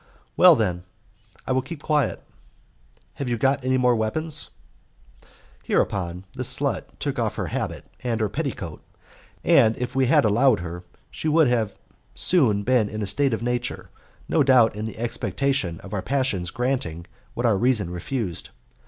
"Very well, then, I will keep quiet." "Have you got any more weapons?" Hereupon the slut took off her habit and her petticoat, and if we had allowed her she would have soon been in a state of nature, no doubt in the expectation of our passions granting what our reason refused.